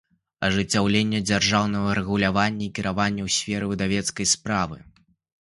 Ажыццяўленне дзяржаўнага рэгулявання i кiравання ў сферы выдавецкай справы